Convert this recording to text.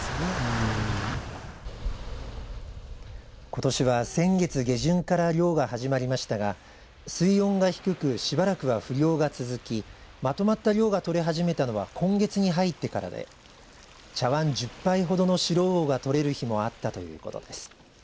ことしは、先月下旬から漁が始まりましたが水温が低くしばらくは不漁が続きまとまった量が取れ始めたのは今月に入ってからで茶わん１０杯ほどのシロウオがとれる日もあったということです。